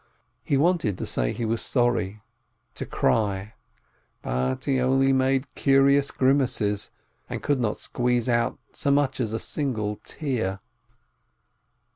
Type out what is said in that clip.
He wanted to say he was sorry, to cry, but he only made curious grimaces, and could not squeeze out so much as a single tear.